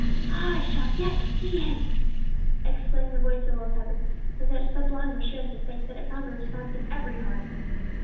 "I shall yet see Him!" exclaimed the voice of old Heber, with such sublime assurance of faith that it found a response in every heart.